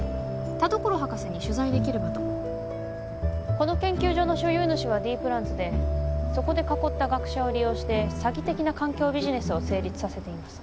田所博士に取材できればとこの研究所の所有主はＤプランズでそこで囲った学者を利用して詐欺的な環境ビジネスを成立させています